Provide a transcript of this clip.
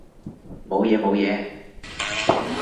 冇嘢冇嘢